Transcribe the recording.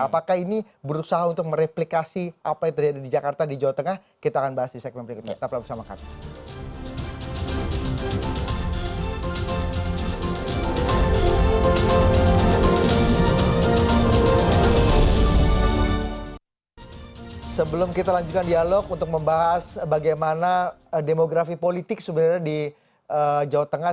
apakah ini berusaha untuk mereplikasi apa yang terjadi di jakarta di jawa tengah